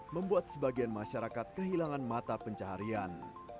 membuat sebagian masyarakat kehilangan mata pencaharian